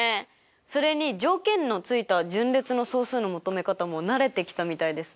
それに条件のついた順列の総数の求め方も慣れてきたみたいですね。